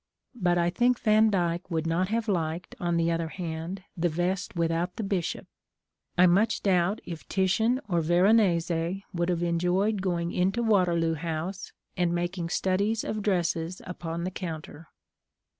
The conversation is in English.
But I think Vandyck would not have liked, on the other hand, the vest without the bishop. I much doubt if Titian or Veronese would have enjoyed going into Waterloo House, and making studies of dresses upon the counter.